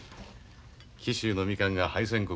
紀州のみかんが敗戦国